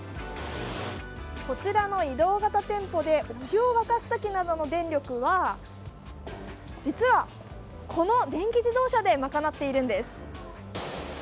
こちらの移動型店舗でお湯を沸かす時などの電力は実は、この電気自動車で賄っているんです。